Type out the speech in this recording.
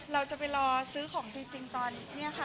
เราจะไปรอซื้อของจริงตอนนี้ค่ะ